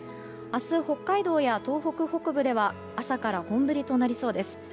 明日、北海道や東北北部では朝から本降りとなりそうです。